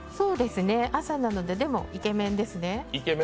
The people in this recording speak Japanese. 朝なのででもイケメンですね。